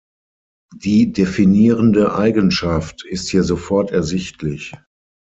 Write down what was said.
Die definierende Eigenschaft ist hier sofort ersichtlich.